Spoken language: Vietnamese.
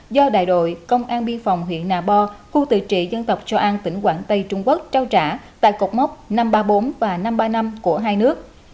do đại đội công an biên phòng huyện nà bo khu tự trị dân tộc châu an tỉnh quảng tây trung quốc trao trả tại cột mốc năm trăm ba mươi bốn và năm trăm ba mươi năm của hai nước